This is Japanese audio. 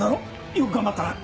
よく頑張ったな。